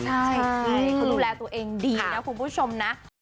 ใช่เขาดูแลตัวเองดีนะคุณผู้ชมนะ